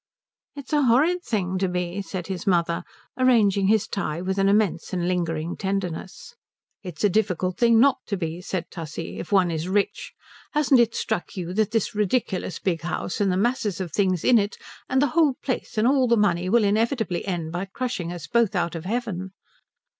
"It's a horrid thing to be," said his mother, arranging his tie with an immense and lingering tenderness. "It's a difficult thing not to be," said Tussie, "if one is rich. Hasn't it struck you that this ridiculous big house, and the masses of things in it, and the whole place and all the money will inevitably end by crushing us both out of heaven?"